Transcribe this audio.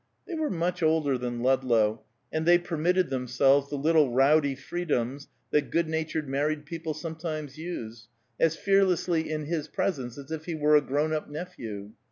They were much older than Ludlow, and they permitted themselves the little rowdy freedoms that good natured married people sometimes use, as fearlessly in his presence as if he were a grown up nephew.